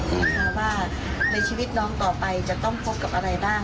นะคะว่าในชีวิตน้องต่อไปจะต้องพบกับอะไรบ้าง